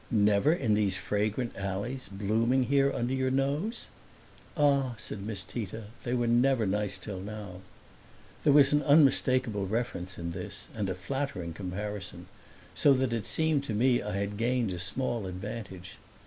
"Never in these fragrant alleys, blooming here under your nose?" "Ah," said Miss Tita, "they were never nice till now!" There was an unmistakable reference in this and a flattering comparison, so that it seemed to me I had gained a small advantage.